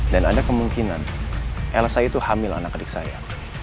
dan ada kemungkinan elsa itu hamil anak adik saya